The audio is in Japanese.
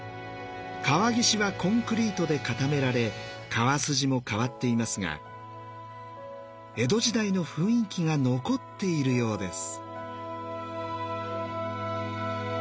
川岸はコンクリートで固められ川筋も変わっていますが江戸時代の雰囲気が残っているようです。